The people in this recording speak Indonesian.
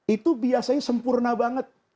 itu biasanya sempurna banget